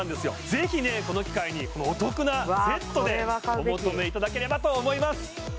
ぜひこの機会にお得なセットでお求めいただければと思います